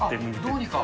どうにか。